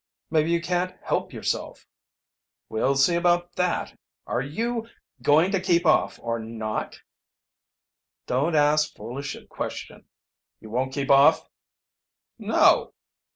"Maybe you can't help yourself." "We'll see about that. Are you going to keep off or not? "Don't ask foolish a question." "You won't keep off?" "No."